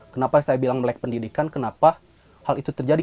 kenapa saya bilang melek pendidikan kenapa hal itu terjadi